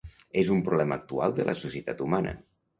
És un problema actual de la societat humana.